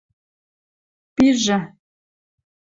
– Пижӹ...